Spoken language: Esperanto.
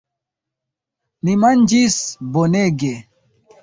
Ni manĝis bonege.